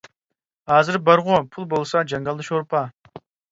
ھازىر بارغۇ، پۇل بولسا جاڭگالدا شورپا.